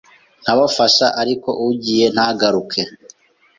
nkabafasha ariko ugiye ntagaruke